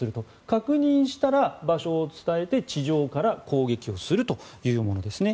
確認したら場所を伝えて地上から攻撃をするというものですね。